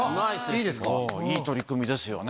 いい取り組みですよね。